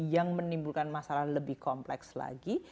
yang menimbulkan masalah lebih kompleks lagi